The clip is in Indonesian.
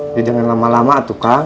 jadi jangan lama lama tuh kang